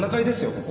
ここ。